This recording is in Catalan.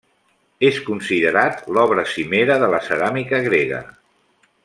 És considerat l'obra cimera de la ceràmica grega.